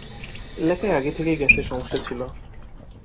এলাকায় আগে থেকেই গ্যাসের সমস্যা ছিল।